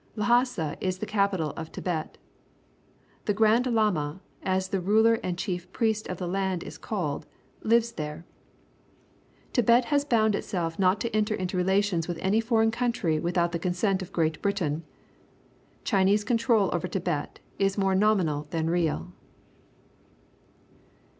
Lhassa is the capital of Tibet. The Grand Lama, as the ruler and chief priest of the land is called, lives there. Tibet has bound itself not to enter into relations with any foreign country without the consent of Great Britain. Chinese control over Tibet is more nominal than real.